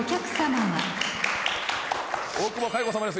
大久保佳代子さまです。